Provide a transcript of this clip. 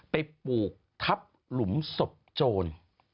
ปลูกทับหลุมศพโจร